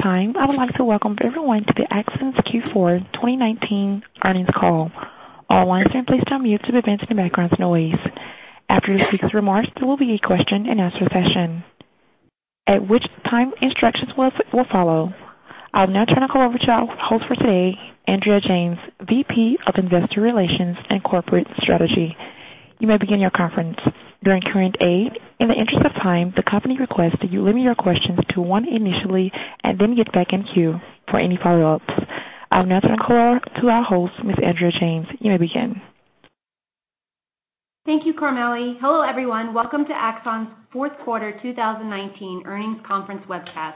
I would like to welcome everyone to the Axon's Q4 2019 Earnings Call. All lines are placed on mute due to events and background noise. After the speaker's remarks, there will be a question and answer session, at which time instructions will follow. I'll now turn the call over to our host for today, Andrea James, VP of Investor Relations and Corporate Strategy. You may begin your conference. During current aid, in the interest of time, the company requests that you limit your questions to one initially and then get back in queue for any follow-ups. I'll now turn the call to our host, Ms. Andrea James. You may begin. Thank you, Carmelli. Hello, everyone. Welcome to Axon's Fourth Quarter 2019 Earnings Conference webcast.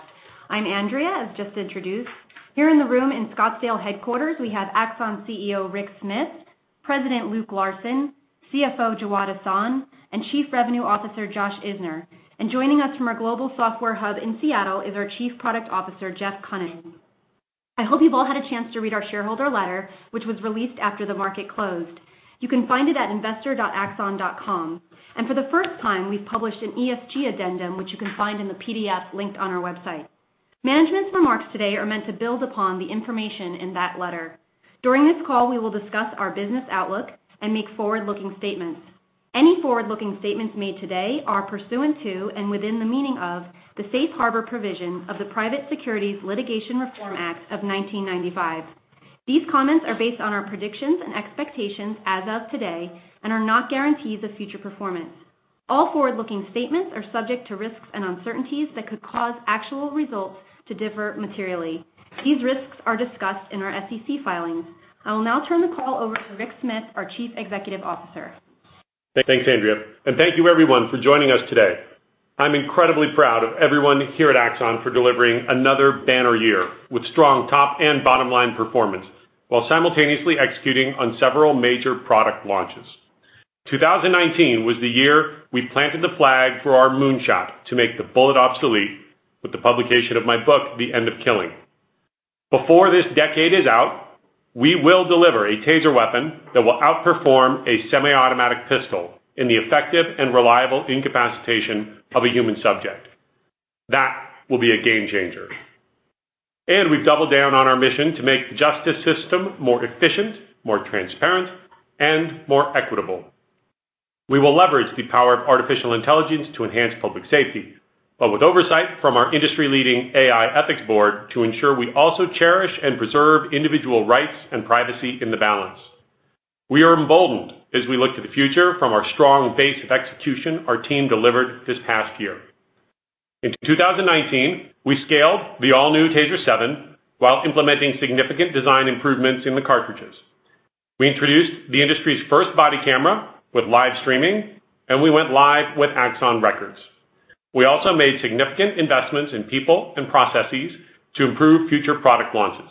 I'm Andrea, as just introduced. Here in the room in Scottsdale headquarters, we have Axon CEO Rick Smith, President Luke Larson, CFO Jawad Ahsan, and Chief Revenue Officer Josh Isner. Joining us from our global software hub in Seattle is our Chief Product Officer, Jeff Kunins. I hope you've all had a chance to read our shareholder letter, which was released after the market closed. You can find it at investor.axon.com. For the first time, we've published an ESG addendum, which you can find in the PDF linked on our website. Management's remarks today are meant to build upon the information in that letter. During this call, we will discuss our business outlook and make forward-looking statements. Any forward-looking statements made today are pursuant to, and within the meaning of, the safe harbor provision of the Private Securities Litigation Reform Act of 1995. These comments are based on our predictions and expectations as of today and are not guarantees of future performance. All forward-looking statements are subject to risks and uncertainties that could cause actual results to differ materially. These risks are discussed in our SEC filings. I will now turn the call over to Rick Smith, our Chief Executive Officer. Thanks, Andrea. Thank you, everyone, for joining us today. I'm incredibly proud of everyone here at Axon for delivering another banner year with strong top and bottom-line performance, while simultaneously executing on several major product launches. 2019 was the year we planted the flag for our moonshot to make the bullet obsolete with the publication of my book, "The End of Killing." Before this decade is out, we will deliver a TASER weapon that will outperform a semi-automatic pistol in the effective and reliable incapacitation of a human subject. That will be a game-changer. We've doubled down on our mission to make the justice system more efficient, more transparent, and more equitable. We will leverage the power of artificial intelligence to enhance public safety, but with oversight from our industry-leading AI ethics board to ensure we also cherish and preserve individual rights and privacy in the balance. We are emboldened as we look to the future from our strong base of execution our team delivered this past year. In 2019, we scaled the all-new TASER 7 while implementing significant design improvements in the cartridges. We introduced the industry's first body camera with live streaming, and we went live with Axon Records. We also made significant investments in people and processes to improve future product launches.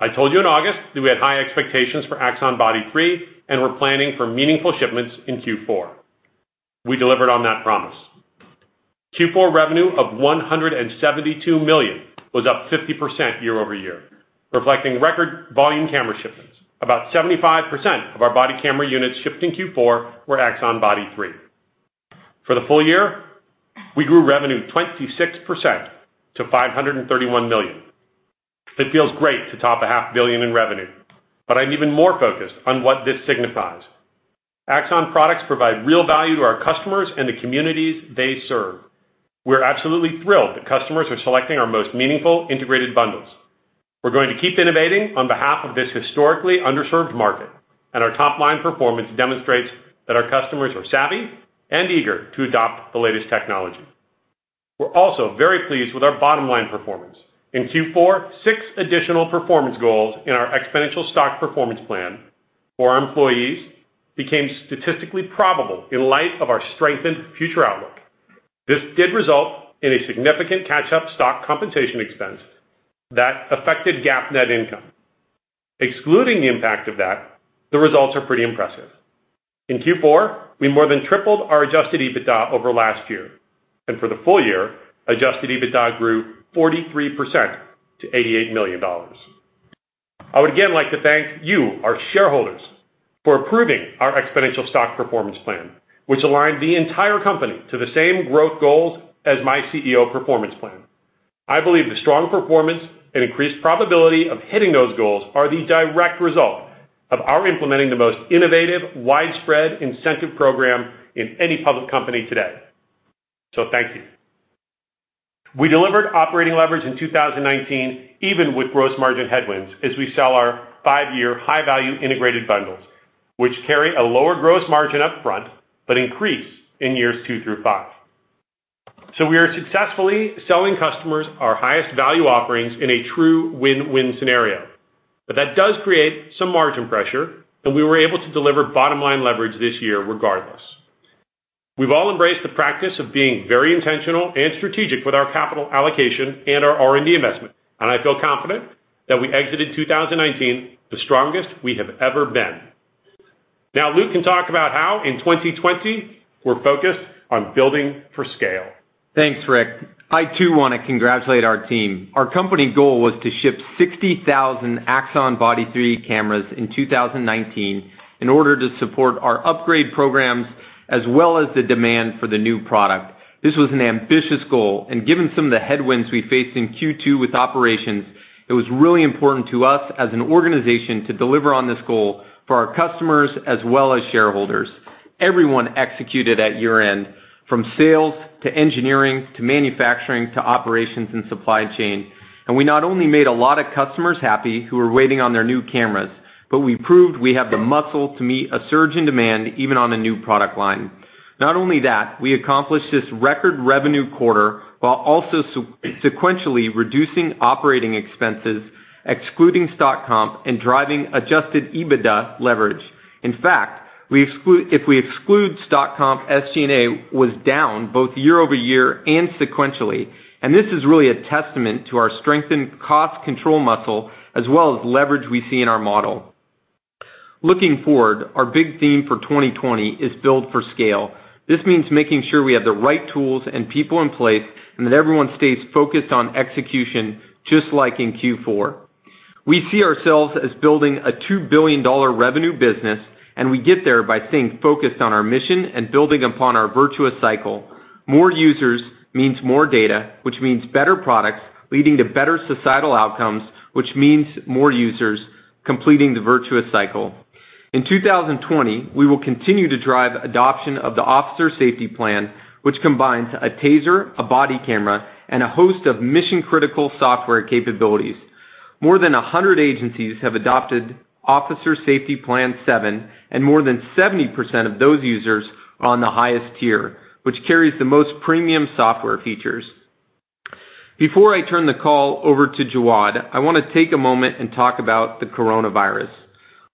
I told you in August that we had high expectations for Axon Body 3 and were planning for meaningful shipments in Q4. We delivered on that promise. Q4 revenue of $172 million was up 50% year-over-year, reflecting record volume camera shipments. About 75% of our body camera units shipped in Q4 were Axon Body 3. For the full-year, we grew revenue 26% to $531 million. It feels great to top a half billion in revenue. I'm even more focused on what this signifies. Axon products provide real value to our customers and the communities they serve. We're absolutely thrilled that customers are selecting our most meaningful integrated bundles. We're going to keep innovating on behalf of this historically underserved market, and our top-line performance demonstrates that our customers are savvy and eager to adopt the latest technology. We're also very pleased with our bottom-line performance. In Q4, six additional performance goals in our exponential stock performance plan for our employees became statistically probable in light of our strengthened future outlook. This did result in a significant catch-up stock compensation expense that affected GAAP net income. Excluding the impact of that, the results are pretty impressive. In Q4, we more than tripled our adjusted EBITDA over last year. For the full-year, adjusted EBITDA grew 43% to $88 million. I would again like to thank you, our shareholders, for approving our exponential stock performance plan, which aligned the entire company to the same growth goals as my CEO performance plan. I believe the strong performance and increased probability of hitting those goals are the direct result of our implementing the most innovative, widespread incentive program in any public company today. Thank you. We delivered operating leverage in 2019, even with gross margin headwinds as we sell our five-year high-value integrated bundles, which carry a lower gross margin upfront but increase in years two through five. We are successfully selling customers our highest value offerings in a true win-win scenario. That does create some margin pressure, and we were able to deliver bottom-line leverage this year regardless. We've all embraced the practice of being very intentional and strategic with our capital allocation and our R&D investment. I feel confident that we exited 2019 the strongest we have ever been. Luke can talk about how in 2020, we're focused on building for scale. Thanks, Rick. I too want to congratulate our team. Our company goal was to ship 60,000 Axon Body 3 cameras in 2019 in order to support our upgrade programs as well as the demand for the new product. This was an ambitious goal, and given some of the headwinds we faced in Q2 with operations. It was really important to us as an organization to deliver on this goal for our customers as well as shareholders. Everyone executed at year-end, from sales to engineering, to manufacturing, to operations and supply chain. We not only made a lot of customers happy who were waiting on their new cameras, but we proved we have the muscle to meet a surge in demand, even on a new product line. Not only that, we accomplished this record revenue quarter while also sequentially reducing operating expenses, excluding stock comp and driving adjusted EBITDA leverage. In fact, if we exclude stock comp, SG&A was down both year-over-year and sequentially. This is really a testament to our strengthened cost control muscle as well as leverage we see in our model. Looking forward, our big theme for 2020 is build for scale. This means making sure we have the right tools and people in place, and that everyone stays focused on execution, just like in Q4. We see ourselves as building a $2 billion revenue business, and we get there by staying focused on our mission and building upon our virtuous cycle. More users means more data, which means better products, leading to better societal outcomes, which means more users, completing the virtuous cycle. In 2020, we will continue to drive adoption of the Officer Safety Plan, which combines a TASER, a body camera, and a host of mission-critical software capabilities. More than 100 agencies have adopted Officer Safety Plan 7+, and more than 70% of those users are on the highest tier, which carries the most premium software features. Before I turn the call over to Jawad, I want to take a moment and talk about the coronavirus.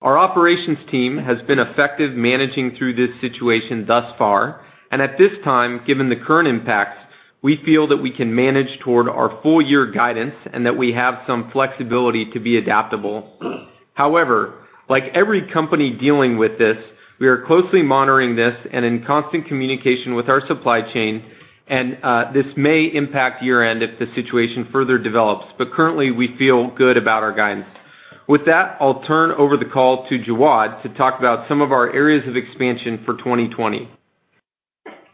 Our operations team has been effective managing through this situation thus far, and at this time, given the current impacts, we feel that we can manage toward our full-year guidance and that we have some flexibility to be adaptable. However, like every company dealing with this, we are closely monitoring this and in constant communication with our supply chain, and this may impact year-end if the situation further develops. Currently, we feel good about our guidance. With that, I'll turn over the call to Jawad to talk about some of our areas of expansion for 2020.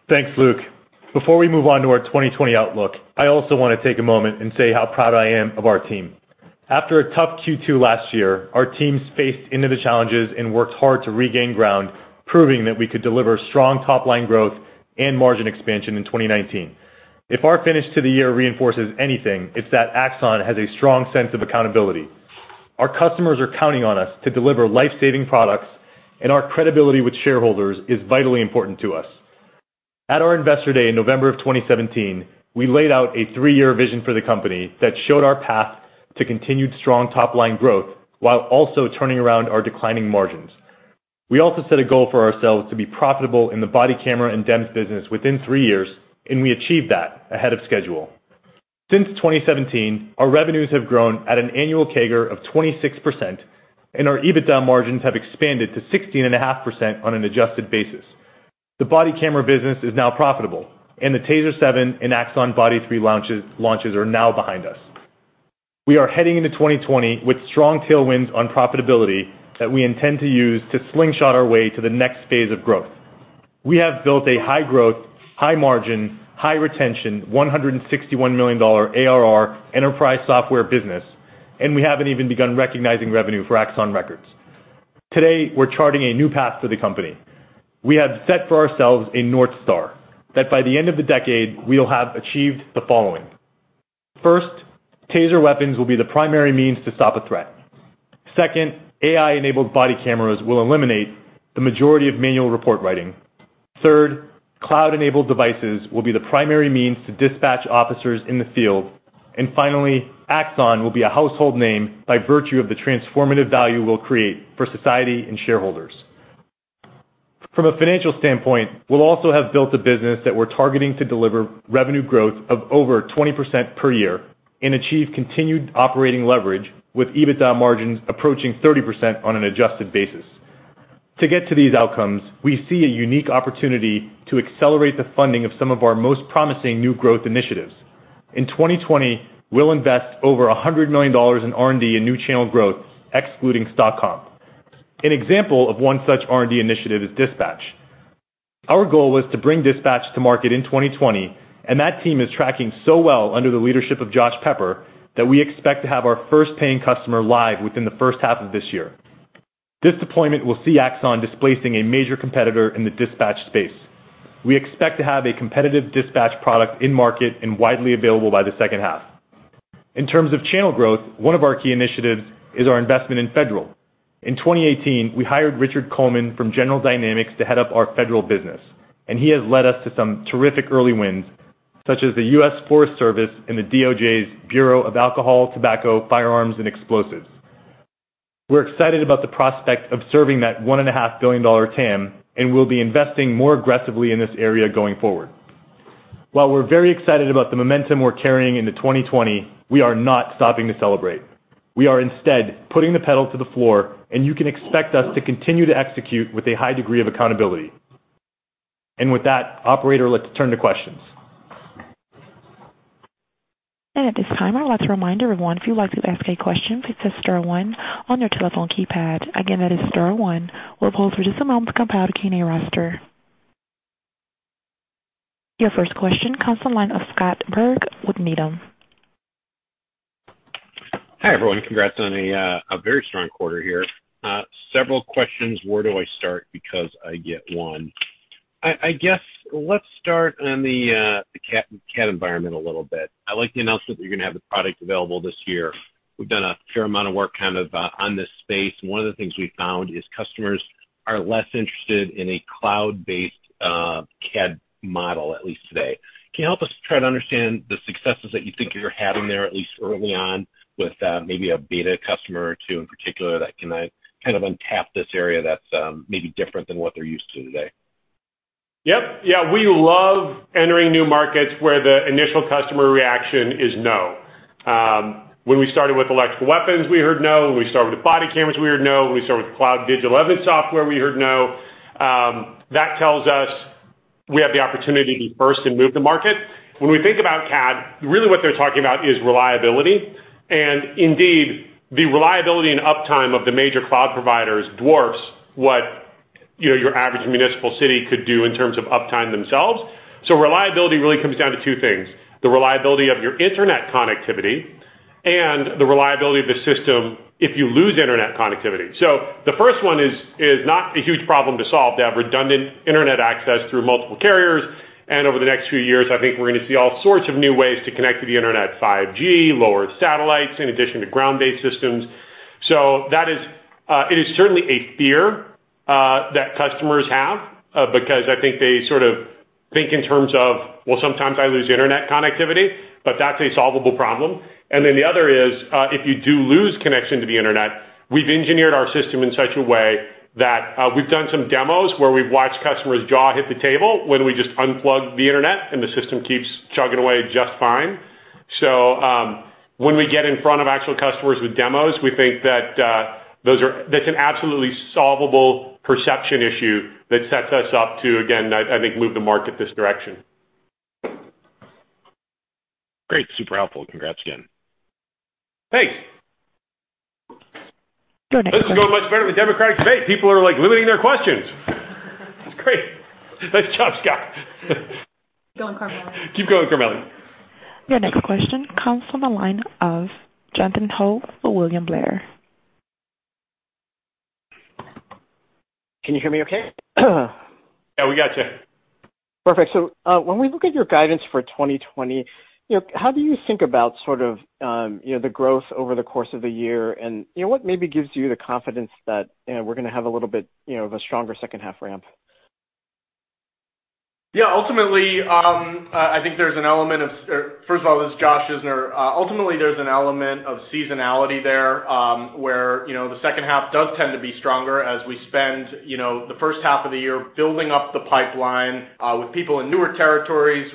Thanks, Luke. Before we move on to our 2020 outlook, I also want to take a moment and say how proud I am of our team. After a tough Q2 last year, our teams faced into the challenges and worked hard to regain ground, proving that we could deliver strong top-line growth and margin expansion in 2019. If our finish to the year reinforces anything, it's that Axon has a strong sense of accountability. Our customers are counting on us to deliver life-saving products, and our credibility with shareholders is vitally important to us. At our Investor Day in November of 2017, we laid out a three-year vision for the company that showed our path to continued strong top-line growth while also turning around our declining margins. We also set a goal for ourselves to be profitable in the body camera and DEMS business within three years, and we achieved that ahead of schedule. Since 2017, our revenues have grown at an annual CAGR of 26%, our EBITDA margins have expanded to 16.5% on an adjusted basis. The body camera business is now profitable, and the TASER 7 and Axon Body 3 launches are now behind us. We are heading into 2020 with strong tailwinds on profitability that we intend to use to slingshot our way to the next phase of growth. We have built a high-growth, high-margin, high-retention, $161 million ARR enterprise software business, and we haven't even begun recognizing revenue for Axon Records. Today, we're charting a new path for the company. We have set for ourselves a North Star, that by the end of the decade, we'll have achieved the following. First, TASER weapons will be the primary means to stop a threat. Second, AI-enabled body cameras will eliminate the majority of manual report writing. Third, cloud-enabled devices will be the primary means to dispatch officers in the field. Finally, Axon will be a household name by virtue of the transformative value we'll create for society and shareholders. From a financial standpoint, we'll also have built a business that we're targeting to deliver revenue growth of over 20% per year and achieve continued operating leverage with EBITDA margins approaching 30% on an adjusted basis. To get to these outcomes, we see a unique opportunity to accelerate the funding of some of our most promising new growth initiatives. In 2020, we'll invest over $100 million in R&D and new channel growth, excluding stock comp. An example of one such R&D initiative is Dispatch. Our goal was to bring Dispatch to market in 2020, and that team is tracking so well under the leadership of Josh Isner, that we expect to have our first paying customer live within the first half of this year. This deployment will see Axon displacing a major competitor in the dispatch space. We expect to have a competitive dispatch product in market and widely available by the second half. In terms of channel growth, one of our key initiatives is our investment in federal. In 2018, we hired Richard Coleman from General Dynamics to head up our federal business, and he has led us to some terrific early wins, such as the U.S. Forest Service and the DOJ's Bureau of Alcohol, Tobacco, Firearms and Explosives. We're excited about the prospect of serving that $1.5 billion TAM, and we'll be investing more aggressively in this area going forward. While we're very excited about the momentum we're carrying into 2020, we are not stopping to celebrate. We are instead putting the pedal to the floor, and you can expect us to continue to execute with a high degree of accountability. With that, operator, let's turn to questions. At this time, I'd like to remind everyone, if you'd like to ask a question, please press star one on your telephone keypad. Again, that is star one. We'll poll for just a moment to compile a Q&A roster. Your first question comes from the line of Scott Berg with Needham. Hi, everyone. Congrats on a very strong quarter here. Several questions, where do I start? I get one. I guess let's start on the CAD environment a little bit. I like the announcement that you're going to have the product available this year. We've done a fair amount of work kind of on this space, and one of the things we've found is customers are less interested in a cloud-based CAD model, at least today. Can you help us try to understand the successes that you think you're having there, at least early on with maybe a beta customer or two in particular that can kind of untap this area that's maybe different than what they're used to today? Yep. Yeah, we love entering new markets where the initial customer reaction is no. When we started with electrical weapons, we heard no. When we started with body cameras, we heard no. When we started with cloud digital evidence software, we heard no. That tells us we have the opportunity to be first and move the market. When we think about CAD, really what they're talking about is reliability, and indeed, the reliability and uptime of the major cloud providers dwarfs what your average municipal city could do in terms of uptime themselves. Reliability really comes down to two things, the reliability of your internet connectivity and the reliability of the system if you lose internet connectivity. The first one is not a huge problem to solve, to have redundant internet access through multiple carriers. Over the next few years, I think we're going to see all sorts of new ways to connect to the internet, 5G, lower satellites in addition to ground-based systems. It is certainly a fear that customers have, because I think they sort of think in terms of, well, sometimes I lose internet connectivity, but that's a solvable problem. The other is, if you do lose connection to the internet, we've engineered our system in such a way that we've done some demos where we've watched customers jaw hit the table when we just unplug the internet, and the system keeps chugging away just fine. When we get in front of actual customers with demos, we think that's an absolutely solvable perception issue that sets us up to, again, I think, move the market this direction. Great. Super helpful. Congrats again. Thanks. Go next. This is going much better than democratic debate. People are limiting their questions. It's great. Nice job, Scott. Go on, Carmelli. Keep going, Carmelli. Your next question comes from the line of Jonathan Ho with William Blair. Can you hear me okay? Yeah, we got you. Perfect. When we look at your guidance for 2020, how do you think about sort of the growth over the course of the year, and what maybe gives you the confidence that we're going to have a little bit of a stronger second half ramp? First of all, this is Josh Isner. Ultimately, there's an element of seasonality there, where the second half does tend to be stronger as we spend the first half of the year building up the pipeline with people in newer territories.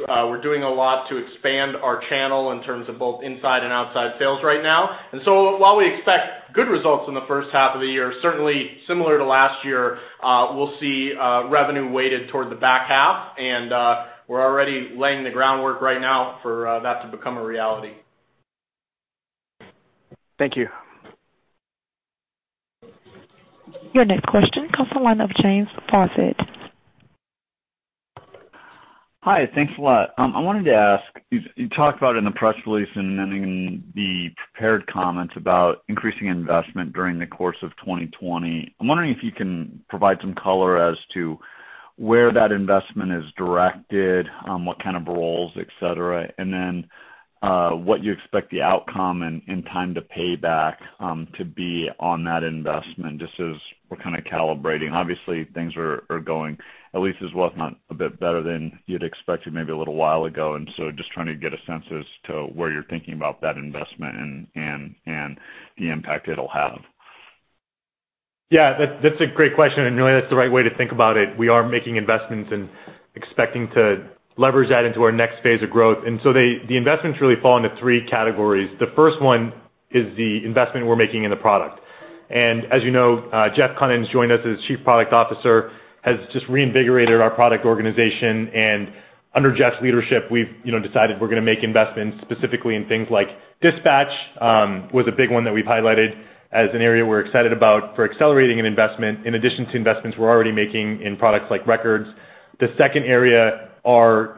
While we expect good results in the first half of the year, certainly similar to last year, we'll see revenue weighted toward the back half, and we're already laying the groundwork right now for that to become a reality. Thank you. Your next question comes from the line of James Faucette. Hi. Thanks a lot. I wanted to ask, you talked about in the press release, in the prepared comments about increasing investment during the course of 2020. I'm wondering if you can provide some color as to where that investment is directed, what kind of roles, et cetera, what you expect the outcome and time to pay back to be on that investment, just as we're kind of calibrating. Obviously things are going at least as well, if not a bit better than you'd expected maybe a little while ago, just trying to get a sense as to where you're thinking about that investment and the impact it'll have. That's a great question, really that's the right way to think about it. We are making investments and expecting to leverage that into our next phase of growth. The investments really fall into three categories. The first one is the investment we're making in the product. As you know, Jeff Kunins joined us as Chief Product Officer, has just reinvigorated our product organization. Under Jeff's leadership, we've decided we're going to make investments specifically in things like Axon Dispatch, was a big one that we've highlighted as an area we're excited about for accelerating an investment in addition to investments we're already making in products like Axon Records. The second area are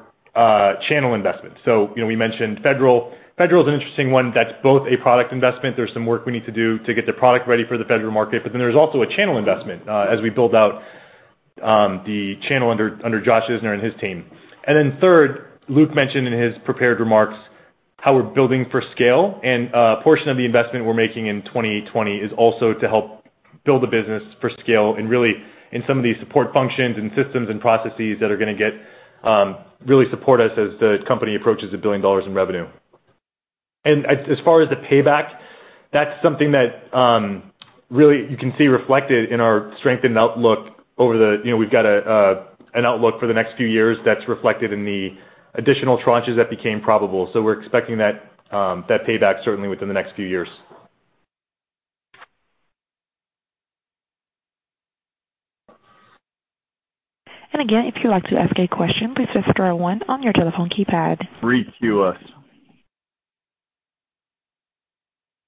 channel investments. We mentioned federal. Federal is an interesting one that's both a product investment. There's some work we need to do to get the product ready for the federal market. There's also a channel investment as we build out the channel under Josh Isner and his team. Third, Luke mentioned in his prepared remarks how we're building for scale. A portion of the investment we're making in 2020 is also to help build the business for scale and really in some of these support functions and systems and processes that are going to really support us as the company approaches $1 billion in revenue. As far as the payback, that's something that really you can see reflected in our strengthened outlook. We've got an outlook for the next few years that's reflected in the additional tranches that became probable. We're expecting that payback certainly within the next few years. Again, if you'd like to ask a question, please press star one on your telephone keypad. Requeue us.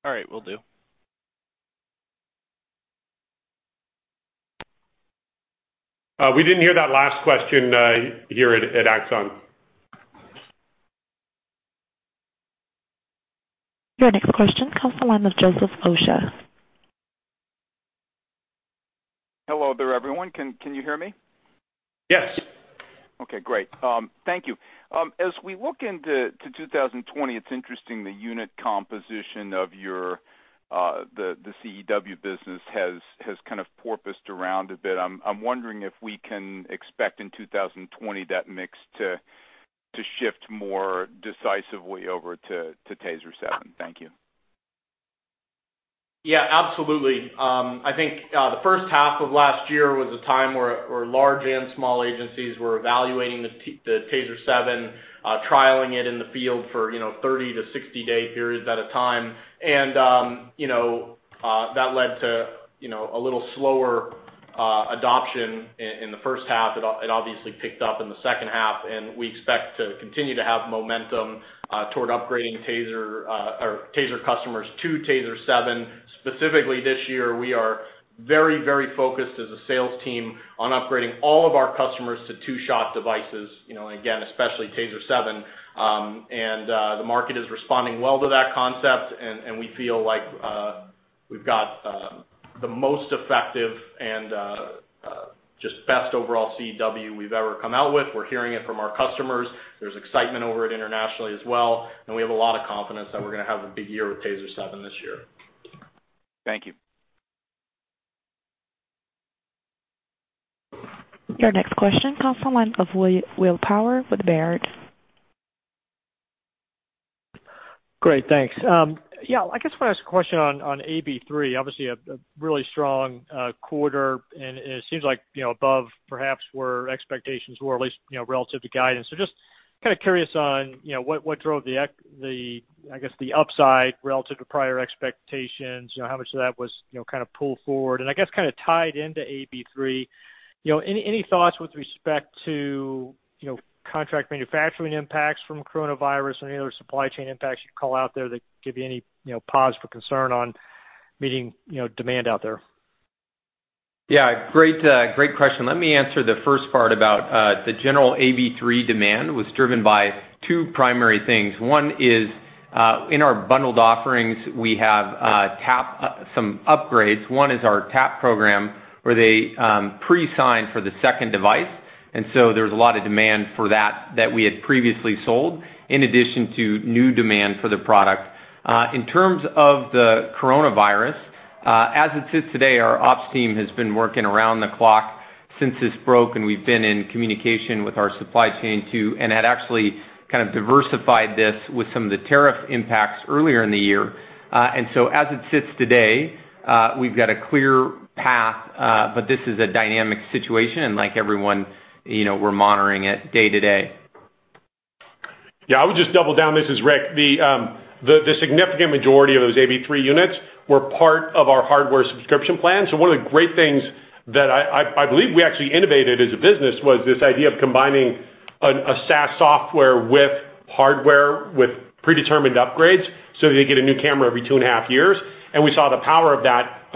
All right, will do. We didn't hear that last question here at Axon. Your next question comes from the line of Joseph Osha. Hello there, everyone. Can you hear me? Yes. Okay, great. Thank you. As we look into 2020, it's interesting the unit composition of the CEW business has kind of porpoised around a bit. I'm wondering if we can expect in 2020 that mix to shift more decisively over to TASER 7. Thank you. Yeah, absolutely. I think, the first half of last year was a time where large and small agencies were evaluating the TASER 7, trialing it in the field for 30-60-day periods at a time. That led to a little slower adoption in the first half. It obviously picked up in the second half, and we expect to continue to have momentum toward upgrading TASER customers to TASER 7. Specifically, this year, we are very focused as a sales team on upgrading all of our customers to two-shot devices. Again, especially TASER 7. The market is responding well to that concept, and we feel like we've got the most effective and just best overall CEW we've ever come out with. We're hearing it from our customers. There's excitement over it internationally as well, and we have a lot of confidence that we're going to have a big year with TASER 7 this year. Thank you. Your next question comes from the line of William Power with Baird. Great, thanks. Yeah, I just want to ask a question on AB3. Obviously, a really strong quarter, it seems above, perhaps, where expectations were, at least relative to guidance. Just kind of curious on what drove the upside relative to prior expectations, how much of that was kind of pulled forward? I guess, kind of tied into AB3, any thoughts with respect to contract manufacturing impacts from coronavirus and any other supply chain impacts you'd call out there that give you any pause for concern on meeting demand out there? Yeah, great question. Let me answer the first part about the general AB3 demand was driven by two primary things. One is, in our bundled offerings, we have some upgrades. One is our TAP program, where they pre-sign for the second device, and so there's a lot of demand for that that we had previously sold, in addition to new demand for the product. In terms of the coronavirus, as it sits today, our ops team has been working around the clock since this broke, and we've been in communication with our supply chain, too, and had actually kind of diversified this with some of the tariff impacts earlier in the year. As it sits today, we've got a clear path, but this is a dynamic situation. Like everyone, we're monitoring it day to day. Yeah, I would just double down. This is Rick. The significant majority of those AB3 units were part of our hardware subscription plan. One of the great things that I believe we actually innovated as a business was this idea of combining a SaaS software with hardware, with predetermined upgrades, so that you get a new camera every two and a half years. We saw the power of that.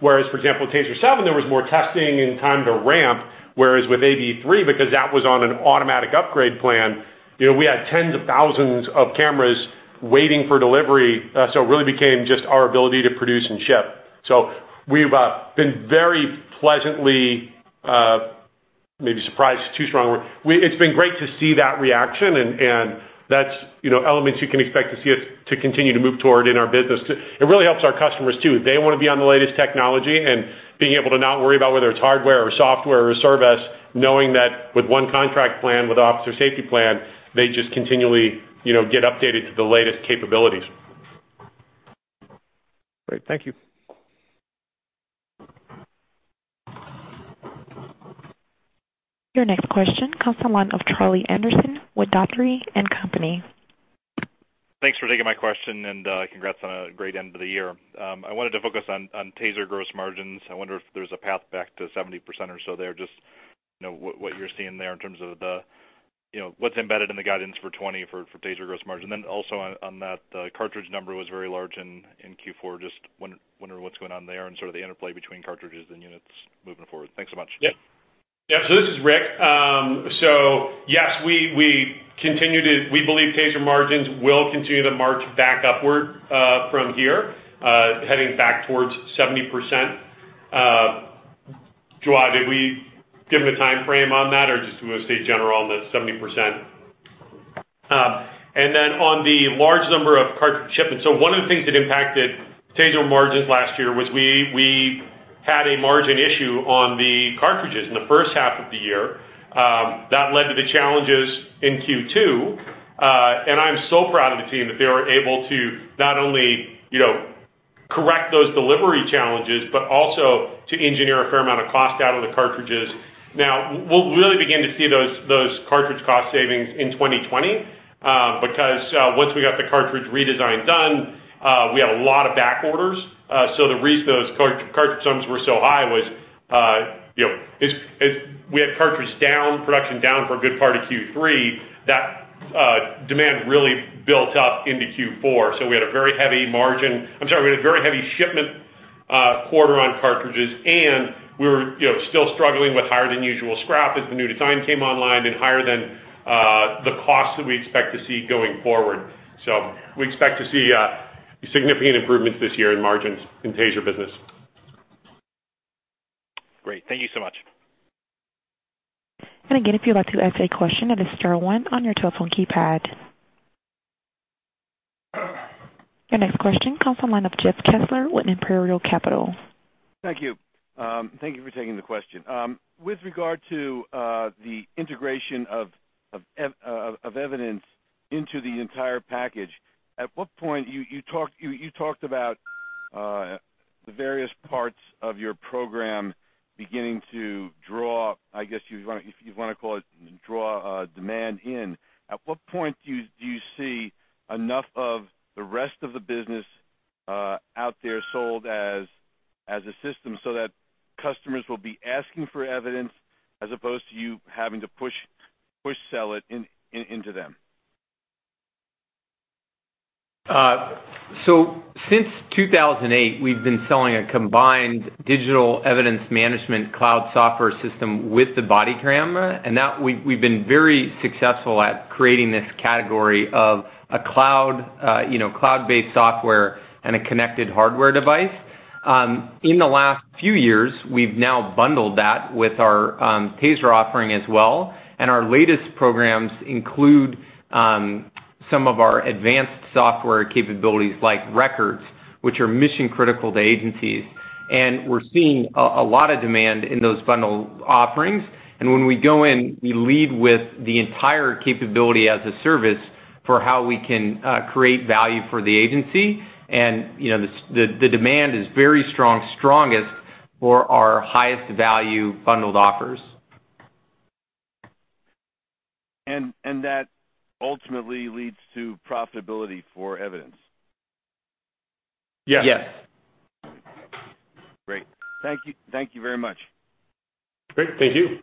Whereas, for example, TASER 7, there was more testing and time to ramp, whereas with AB3, because that was on an automatic upgrade plan, we had tens of thousands of cameras waiting for delivery. It really became just our ability to produce and ship. We've been very pleasantly, maybe surprised is too strong a word. It's been great to see that reaction, and that's elements you can expect to see us to continue to move toward in our business. It really helps our customers, too. They want to be on the latest technology and being able to not worry about whether it's hardware or software or service, knowing that with one contract plan, with Officer Safety Plan, they just continually get updated to the latest capabilities. Great. Thank you. Your next question comes from the line of Charlie Anderson with Dougherty & Company. Thanks for taking my question. Congrats on a great end of the year. I wanted to focus on TASER gross margins. I wonder if there's a path back to 70% or so there. Just what you're seeing there in terms of what's embedded in the guidance for 2020 for TASER gross margin. Also on that, the cartridge number was very large in Q4. Just wondering what's going on there and sort of the interplay between cartridges and units moving forward. Thanks a bunch. This is Rick. Yes, we believe TASER margins will continue to march back upward from here, heading back towards 70%. Jawad, did we give a timeframe on that, or just we're going to stay general on the 70%? Then on the large number of cartridge shipments, one of the things that impacted TASER margins last year was we had a margin issue on the cartridges in the first half of the year. That led to the challenges in Q2. I'm so proud of the team that they were able to not only correct those delivery challenges, but also to engineer a fair amount of cost out of the cartridges. We'll really begin to see those cartridge cost savings in 2020. Because once we got the cartridge redesign done, we had a lot of back orders. The reason those cartridge numbers were so high was we had cartridge production down for a good part of Q3. Demand really built up into Q4. We had a very heavy shipment quarter on cartridges, and we were still struggling with higher than usual scrap as the new design came online, and higher than the costs that we expect to see going forward. We expect to see significant improvements this year in margins in TASER business. Great. Thank you so much. Again, if you'd like to ask a question, it is star one on your telephone keypad. Your next question comes from the line of Jeff Kessler with Imperial Capital. Thank you. Thank you for taking the question. With regard to the integration of Evidence into the entire package, you talked about the various parts of your program beginning to draw, I guess you'd want to call it, draw demand in. At what point do you see enough of the rest of the business out there sold as a system so that customers will be asking for Evidence as opposed to you having to push sell it into them? Since 2008, we've been selling a combined digital evidence management cloud software system with the body camera, and we've been very successful at creating this category of a cloud-based software and a connected hardware device. In the last few years, we've now bundled that with our TASER offering as well, and our latest programs include some of our advanced software capabilities, like Records, which are mission-critical to agencies. We're seeing a lot of demand in those bundled offerings. When we go in, we lead with the entire capability as a service for how we can create value for the agency. The demand is very strong, strongest for our highest value bundled offers. That ultimately leads to profitability for Evidence. Yes. Great. Thank you very much. Great. Thank you.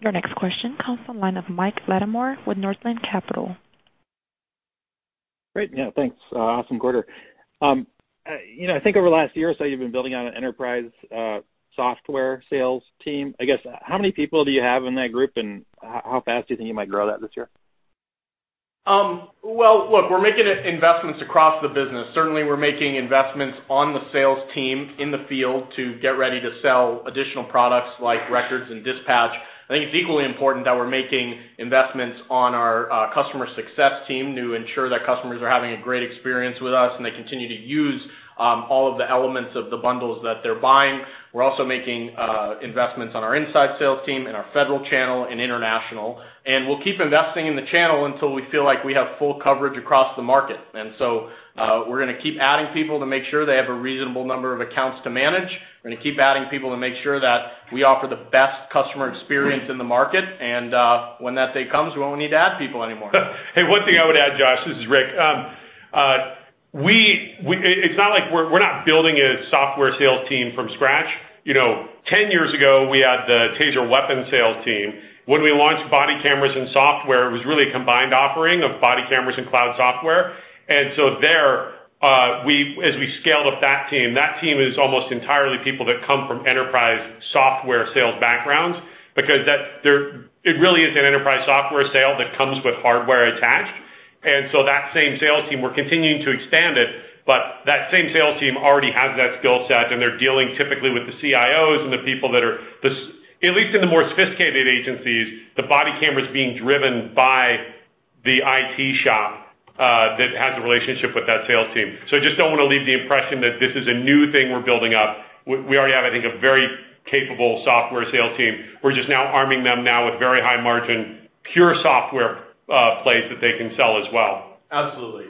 Your next question comes from the line of Mike Latimore with Northland Capital. Great. Yeah, thanks. Awesome quarter. I think over the last year or so, you've been building out an enterprise software sales team. I guess, how many people do you have in that group, and how fast do you think you might grow that this year? Well, look, we're making investments across the business. Certainly, we're making investments on the sales team in the field to get ready to sell additional products like Records and Dispatch. I think it's equally important that we're making investments on our customer success team to ensure that customers are having a great experience with us, and they continue to use all of the elements of the bundles that they're buying. We're also making investments on our inside sales team, in our federal channel, and international. We'll keep investing in the channel until we feel like we have full coverage across the market. We're going to keep adding people to make sure they have a reasonable number of accounts to manage. We're going to keep adding people to make sure that we offer the best customer experience in the market. When that day comes, we won't need to add people anymore. Hey, one thing I would add, Josh, this is Rick. We're not building a software sales team from scratch. 10 years ago, we had the TASER weapon sales team. When we launched body cameras and software, it was really a combined offering of body cameras and cloud software. There, as we scaled up that team, that team is almost entirely people that come from enterprise software sales backgrounds, because it really is an enterprise software sale that comes with hardware attached. That same sales team, we're continuing to expand it, but that same sales team already has that skill set, and they're dealing typically with the CIOs and the people that are, at least in the more sophisticated agencies, the body cameras being driven by the IT shop that has a relationship with that sales team. I just don't want to leave the impression that this is a new thing we're building up. We already have, I think, a very capable software sales team. We're just now arming them now with very high-margin, pure software plays that they can sell as well. Absolutely.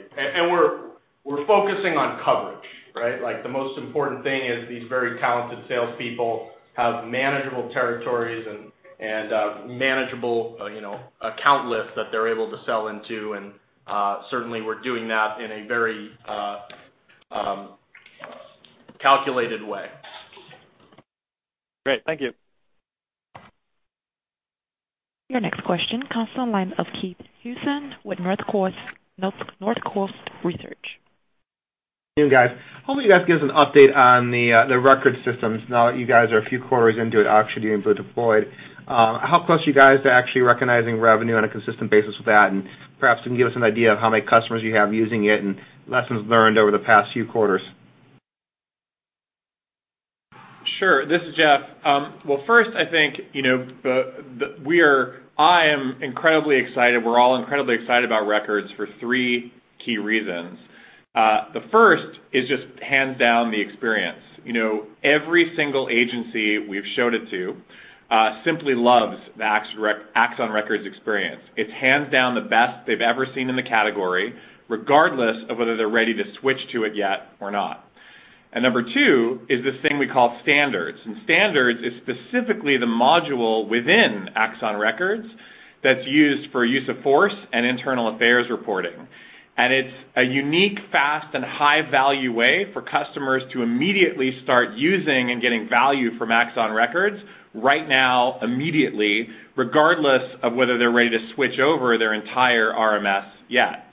We're focusing on coverage, right? The most important thing is these very talented salespeople have manageable territories and a manageable account list that they're able to sell into. Certainly, we're doing that in a very calculated way. Great. Thank you. Your next question comes from the line of Keith Housum with North Coast Research. Good afternoon, guys. Hopefully, you guys can give us an update on the Axon Records now that you guys are a few quarters into it, actually being fully deployed. How close are you guys to actually recognizing revenue on a consistent basis with that? Perhaps you can give us an idea of how many customers you have using it, and lessons learned over the past few quarters. Sure. This is Jeff. Well, first, I think I am incredibly excited, we're all incredibly excited about Axon Records for three key reasons. The first is just hands down the experience. Every single agency we've showed it to simply loves the Axon Records experience. It's hands down the best they've ever seen in the category, regardless of whether they're ready to switch to it yet or not. Number two is this thing we call Standards, and Standards is specifically the module within Axon Records that's used for use of force and internal affairs reporting. It's a unique, fast, and high-value way for customers to immediately start using and getting value from Axon Records right now, immediately, regardless of whether they're ready to switch over their entire RMS yet.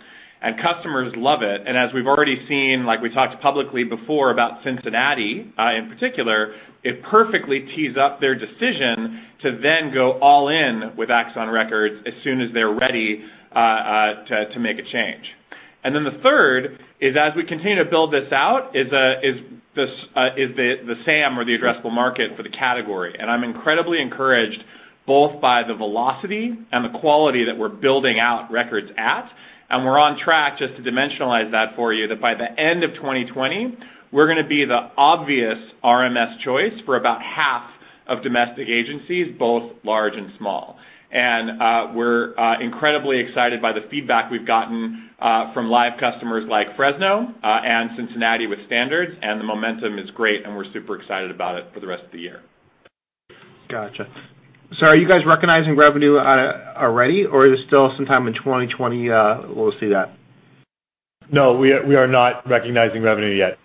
Customers love it, and as we've already seen, like we talked publicly before about Cincinnati, in particular, it perfectly tees up their decision to then go all in with Axon Records as soon as they're ready to make a change. Then the third is, as we continue to build this out, is the SAM or the addressable market for the category. I'm incredibly encouraged both by the velocity and the quality that we're building out records at. We're on track, just to dimensionalize that for you, that by the end of 2020, we're going to be the obvious RMS choice for about half of domestic agencies, both large and small. We're incredibly excited by the feedback we've gotten from live customers like Fresno and Cincinnati with Standards, and the momentum is great, and we're super excited about it for the rest of the year. Got you. Are you guys recognizing revenue already, or is it still sometime in 2020 we'll see that? No, we are not recognizing revenue yet.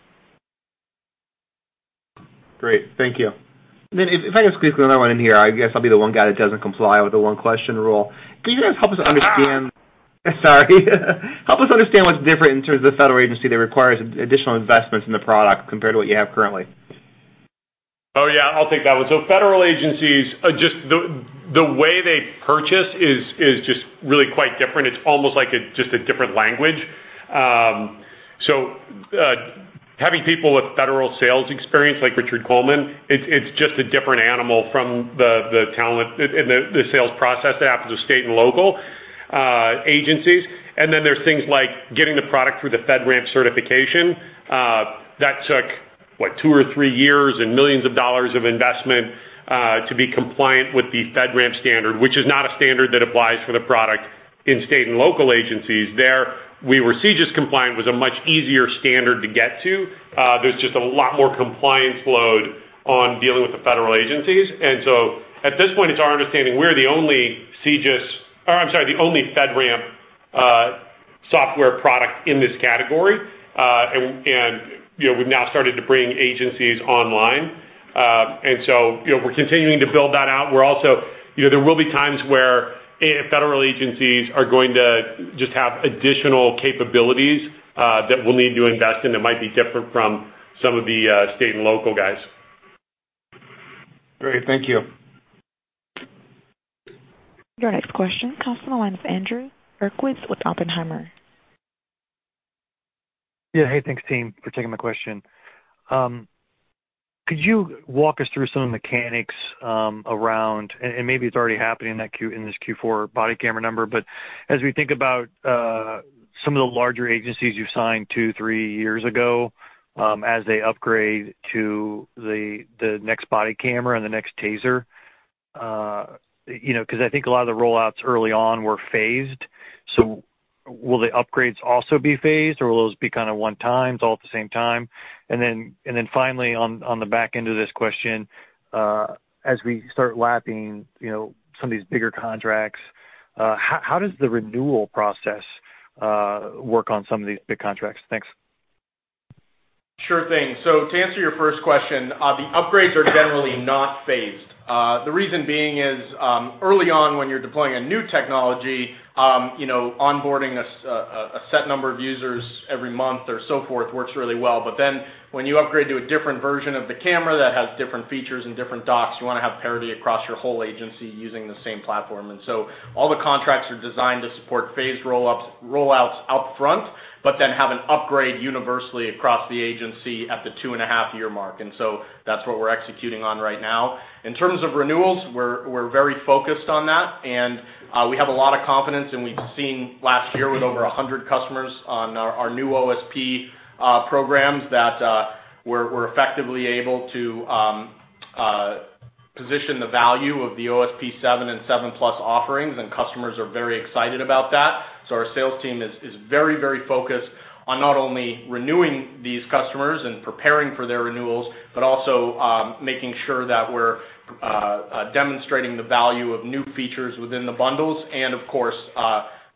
Great. Thank you. If I could squeeze another one in here, I guess I'll be the one guy that doesn't comply with the one-question rule. Help us understand what's different in terms of the federal agency that requires additional investments in the product compared to what you have currently? Oh, yeah. I'll take that one. Federal agencies, just the way they purchase is just really quite different. It's almost like just a different language. Having people with federal sales experience, like Richard Coleman, it's just a different animal from the talent and the sales process that happens with state and local agencies. There's things like getting the product through the FedRAMP certification. That took, what, two or three years and $millions of investment, to be compliant with the FedRAMP standard, which is not a standard that applies for the product in state and local agencies. There, we were CJIS compliant, was a much easier standard to get to. There's just a lot more compliance load on dealing with the federal agencies. At this point, it's our understanding we're the only CJIS or, I'm sorry, the only FedRAMP software product in this category. We've now started to bring agencies online. We're continuing to build that out. There will be times where federal agencies are going to just have additional capabilities that we'll need to invest in that might be different from some of the state and local guys. Great. Thank you. Your next question comes from the line of Andrew Uerkwitz with Oppenheimer. Yeah. Hey, thanks team for taking my question. Could you walk us through some of the mechanics around, and maybe it's already happening in this Q4 body camera number, but as we think about some of the larger agencies you signed two, three years ago, as they upgrade to the next body camera and the next TASER, because I think a lot of the rollouts early on were phased. Will the upgrades also be phased, or will those be kind of one times all at the same time? Finally, on the back end of this question, as we start lapping some of these bigger contracts, how does the renewal process work on some of these big contracts? Thanks. Sure thing. To answer your first question, the upgrades are generally not phased. The reason being is, early on when you're deploying a new technology, onboarding a set number of users every month or so forth works really well. When you upgrade to a different version of the camera that has different features and different docks, you want to have parity across your whole agency using the same platform. All the contracts are designed to support phased rollouts upfront, but then have an upgrade universally across the agency at the two-and-a-half-year mark. That's what we're executing on right now. In terms of renewals, we're very focused on that. We have a lot of confidence. We've seen last year with over 100 customers on our new OSP programs that we're effectively able to position the value of the OSP7+ and 7 Plus offerings. Customers are very excited about that. Our sales team is very focused on not only renewing these customers and preparing for their renewals, but also making sure that we're demonstrating the value of new features within the bundles. Of course,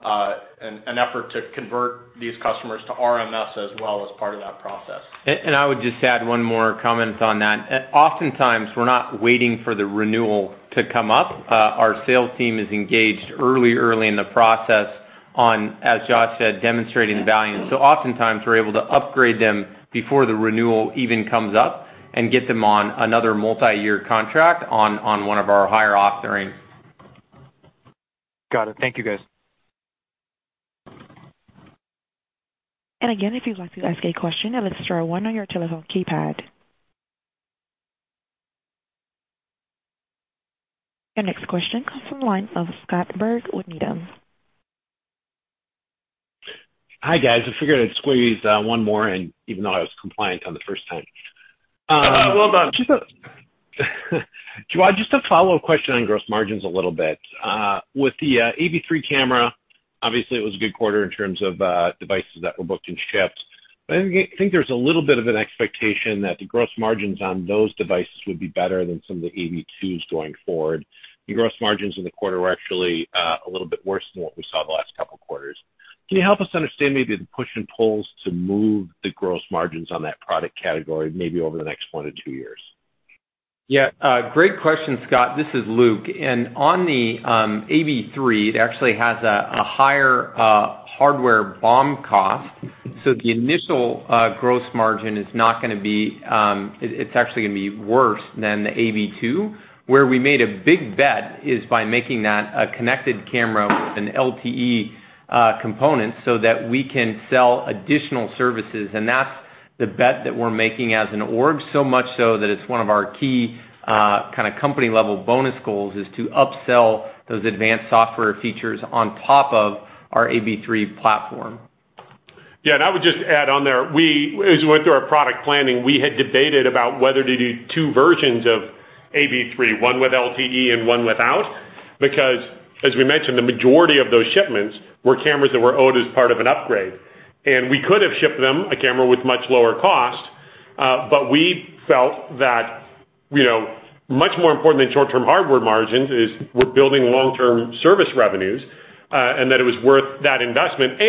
an effort to convert these customers to RMS as well as part of that process. I would just add one more comment on that. Oftentimes, we're not waiting for the renewal to come up. Our sales team is engaged early in the process on, as Josh said, demonstrating value. Oftentimes we're able to upgrade them before the renewal even comes up and get them on another multiyear contract on one of our higher offerings. Got it. Thank you, guys. Again, if you'd like to ask a question, star one on your telephone keypad. Your next question comes from the line of Scott Berg with Needham. Hi, guys. I figured I'd squeeze one more in even though I was compliant on the first time. Well done. Josh, just a follow-up question on gross margins a little bit. With the AB3 camera, obviously, it was a good quarter in terms of devices that were booked and shipped. I think there's a little bit of an expectation that the gross margins on those devices would be better than some of the AB2s going forward. Your gross margins in the quarter were actually a little bit worse than what we saw the last couple of quarters. Can you help us understand maybe the push and pulls to move the gross margins on that product category, maybe over the next one to two years? Yeah. Great question, Scott. This is Luke. On the AB3, it actually has a higher hardware BOM cost. The initial gross margin, it's actually going to be worse than the AB2. Where we made a big bet is by making that a connected camera with an LTE component so that we can sell additional services. That's the bet that we're making as an org, so much so that it's one of our key kind of company-level bonus goals is to upsell those advanced software features on top of our AB3 platform. I would just add on there, as we went through our product planning, we had debated about whether to do two versions of AB3, one with LTE and one without. Because, as we mentioned, the majority of those shipments were cameras that were owed as part of an upgrade. We could have shipped them a camera with much lower cost, we felt that much more important than short-term hardware margins is we're building long-term service revenues, and that it was worth that investment.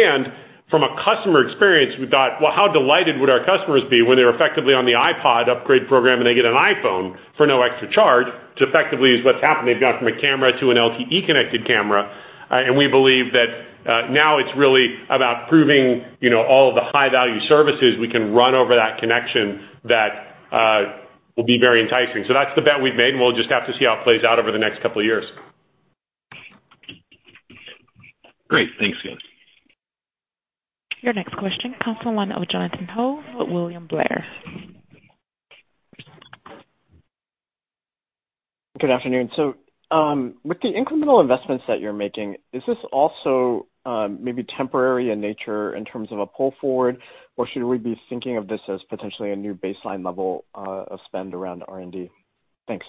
From a customer experience, we thought, "Well, how delighted would our customers be when they're effectively on the iPod upgrade program and they get an iPhone for no extra charge?" Which effectively is what's happened. They've gone from a camera to an LTE-connected camera. We believe that now it's really about proving all of the high-value services we can run over that connection that will be very enticing. That's the bet we've made, and we'll just have to see how it plays out over the next couple of years. Great. Thanks, guys. Your next question comes from the line of Jonathan Ho with William Blair. Good afternoon. With the incremental investments that you're making, is this also maybe temporary in nature in terms of a pull forward, or should we be thinking of this as potentially a new baseline level of spend around R&D? Thanks.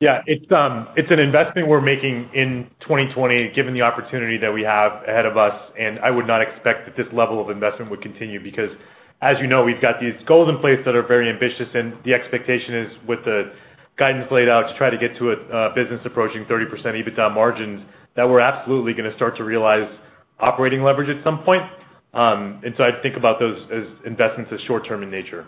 Yeah. It's an investment we're making in 2020, given the opportunity that we have ahead of us, and I would not expect that this level of investment would continue because, as you know, we've got these goals in place that are very ambitious, and the expectation is with the guidance laid out to try to get to a business approaching 30% EBITDA margins, that we're absolutely going to start to realize operating leverage at some point. I'd think about those as investments as short-term in nature.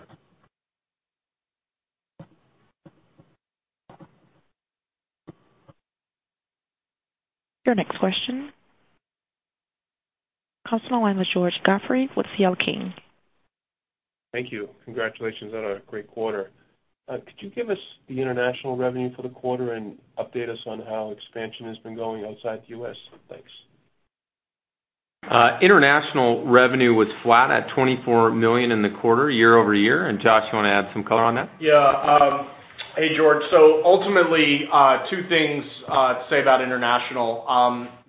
Your next question. comes from the line with George Godfrey with CL King. Thank you. Congratulations on a great quarter. Could you give us the international revenue for the quarter and update us on how expansion has been going outside the U.S.? Thanks. International revenue was flat at $24 million in the quarter year-over-year. Josh, you want to add some color on that? Yeah. Hey, George. Ultimately, two things to say about international.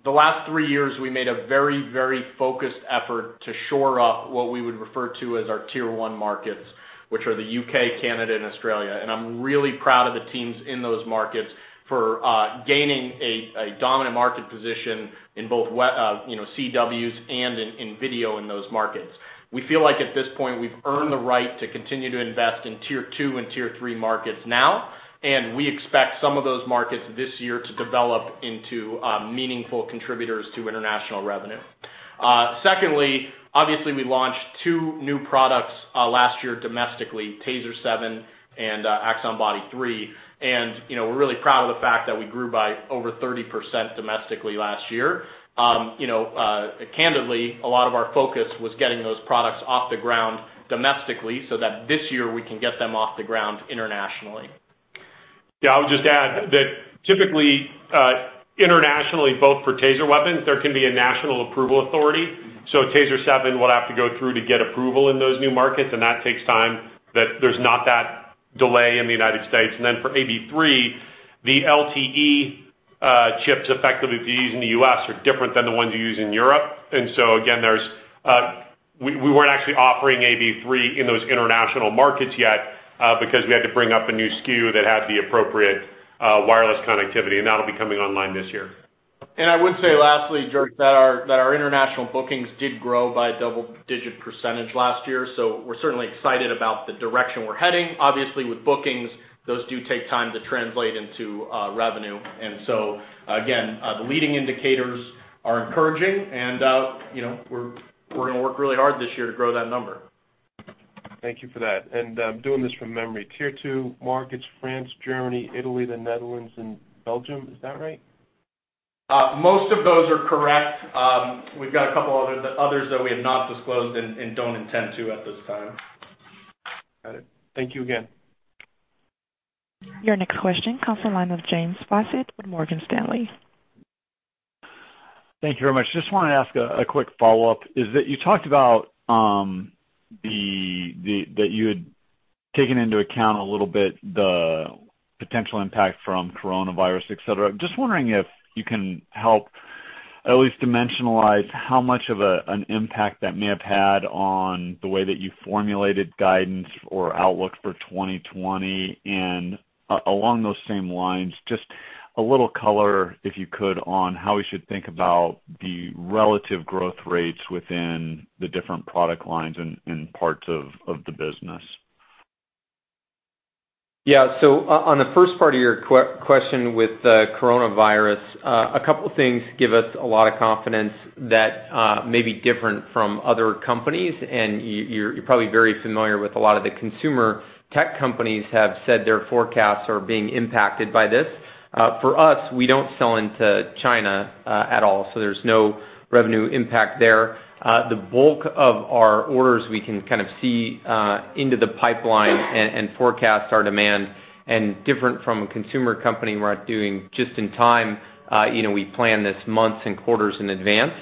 The last three years, we made a very focused effort to shore up what we would refer to as our tier I markets, which are the U.K., Canada, and Australia. I'm really proud of the teams in those markets for gaining a dominant market position in both CEWs and in video in those markets. We feel like at this point, we've earned the right to continue to invest in tier II and tier III markets now, we expect some of those markets this year to develop into meaningful contributors to international revenue. Secondly, obviously, we launched two new products last year domestically, TASER 7 and Axon Body 3. We're really proud of the fact that we grew by over 30% domestically last year. A lot of our focus was getting those products off the ground domestically so that this year we can get them off the ground internationally. Yeah, I would just add that typically, internationally, both for TASER weapons, there can be a national approval authority. TASER 7 will have to go through to get approval in those new markets, and that takes time, that there's not that delay in the United States. For AV3, the LTE chips effectively to use in the U.S. are different than the ones you use in Europe. Again, we weren't actually offering AV3 in those international markets yet because we had to bring up a new SKU that had the appropriate wireless connectivity, and that'll be coming online this year. I would say lastly, George, that our international bookings did grow by double-digit percentage last year. We're certainly excited about the direction we're heading. Obviously, with bookings, those do take time to translate into revenue. Again, the leading indicators are encouraging and we're going to work really hard this year to grow that number. Thank you for that. I'm doing this from memory. Tier 2 markets, France, Germany, Italy, the Netherlands, and Belgium. Is that right? Most of those are correct. We've got a couple others that we have not disclosed and don't intend to at this time. Got it. Thank you again. Your next question comes from the line of James Faucette from Morgan Stanley. Thank you very much. I just want to ask a quick follow-up, is that you talked about that you had taken into account a little bit the potential impact from coronavirus, et cetera. I'm just wondering if you can help at least dimensionalize how much of an impact that may have had on the way that you formulated guidance or outlook for 2020. A little color, if you could, on how we should think about the relative growth rates within the different product lines and parts of the business. Yeah. On the first part of your question with the coronavirus, a couple things give us a lot of confidence that may be different from other companies. You're probably very familiar with a lot of the consumer tech companies have said their forecasts are being impacted by this. For us, we don't sell into China at all. There's no revenue impact there. The bulk of our orders, we can kind of see into the pipeline and forecast our demand. Different from a consumer company, we're not doing just in time. We plan this months and quarters in advance.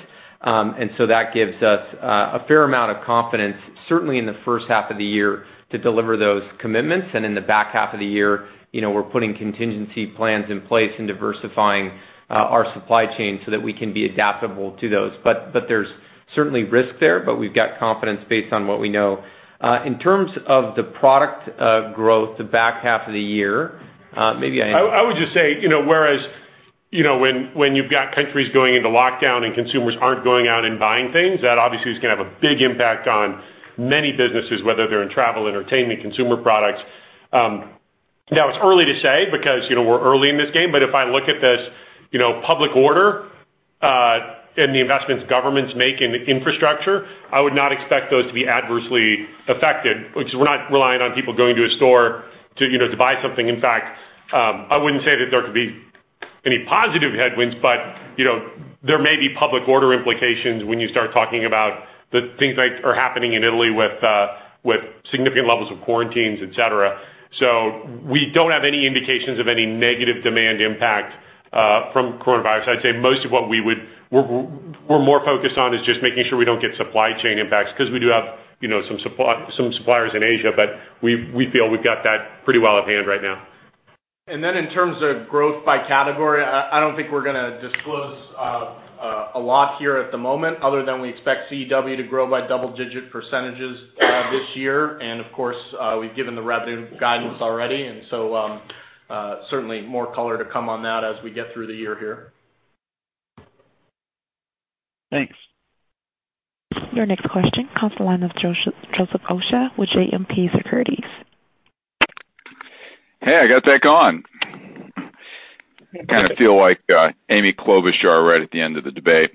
That gives us a fair amount of confidence, certainly in the first half of the year, to deliver those commitments. In the back half of the year, we're putting contingency plans in place and diversifying our supply chain so that we can be adaptable to those. There's certainly risk there, but we've got confidence based on what we know. In terms of the product growth the back half of the year, maybe. I would just say, whereas when you've got countries going into lockdown and consumers aren't going out and buying things, that obviously is going to have a big impact on many businesses, whether they're in travel, entertainment, consumer products. It's early to say because we're early in this game, but if I look at this public order, and the investments governments make in infrastructure, I would not expect those to be adversely affected. We're not relying on people going to a store to buy something. In fact, I wouldn't say that there could be any positive headwinds, but there may be public order implications when you start talking about the things that are happening in Italy with significant levels of quarantines, et cetera. We don't have any indications of any negative demand impact from coronavirus. I'd say most of what we're more focused on is just making sure we don't get supply chain impacts because we do have some suppliers in Asia. We feel we've got that pretty well at hand right now. In terms of growth by category, I don't think we're going to disclose a lot here at the moment other than we expect CEW to grow by double-digit % this year. Of course, we've given the revenue guidance already, certainly more color to come on that as we get through the year here. Thanks. Your next question comes the line of Joseph Osha with JMP Securities. I got that gone. Kind of feel like Amy Klobuchar right at the end of the debate.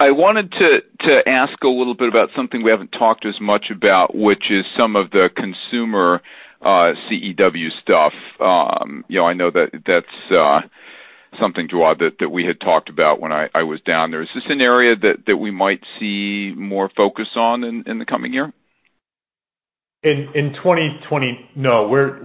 I wanted to ask a little bit about something we haven't talked as much about, which is some of the consumer CEW stuff. I know that that's something, Jawad, that we had talked about when I was down there. Is this an area that we might see more focus on in the coming year? In 2020, no. We're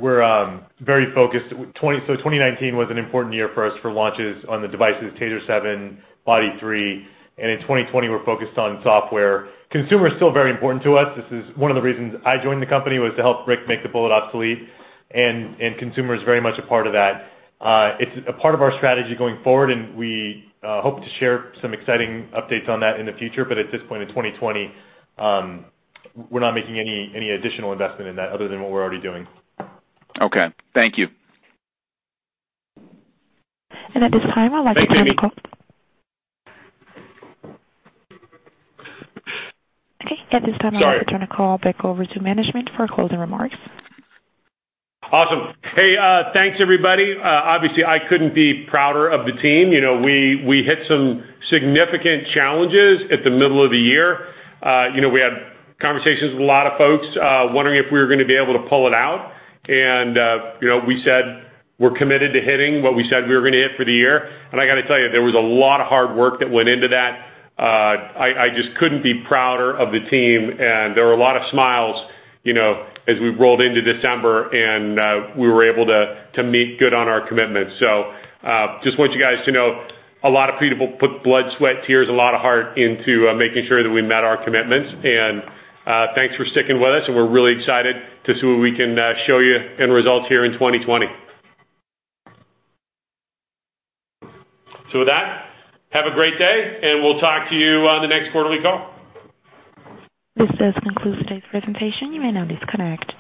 very focused. 2019 was an important year for us for launches on the devices, TASER 7, Body 3, and in 2020, we're focused on software. Consumer is still very important to us. This is one of the reasons I joined the company was to help Rick make the bullet obsolete, and consumer is very much a part of that. It's a part of our strategy going forward, and we hope to share some exciting updates on that in the future. At this point in 2020, we're not making any additional investment in that other than what we're already doing. Okay. Thank you. At this time, I'd like to turn the call. Thanks, Amy. Okay. At this time. Sorry I'd like to turn the call back over to management for closing remarks. Awesome. Hey, thanks everybody. Obviously, I couldn't be prouder of the team. We hit some significant challenges at the middle of the year. We had conversations with a lot of folks wondering if we were going to be able to pull it out. We said we're committed to hitting what we said we were going to hit for the year. I got to tell you, there was a lot of hard work that went into that. I just couldn't be prouder of the team, and there were a lot of smiles as we rolled into December, and we were able to meet good on our commitments. Just want you guys to know, a lot of people put blood, sweat, tears, a lot of heart into making sure that we met our commitments. Thanks for sticking with us, and we're really excited to see what we can show you in results here in 2020. With that, have a great day, and we'll talk to you on the next quarterly call. This does conclude today's presentation. You may now disconnect.